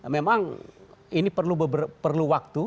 memang ini perlu waktu